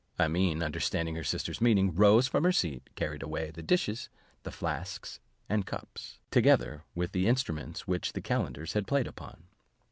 Amene understanding her sister's meaning, rose from her seat, carried away the dishes, the flasks and cups, together with the instruments which the calenders had played upon.